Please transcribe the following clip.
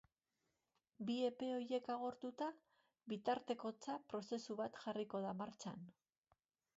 Bi epe horiek agortuta, bitartekotza prozesu bat jarriko da martxan.